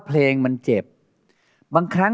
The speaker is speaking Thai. โปรดติดตามต่อไป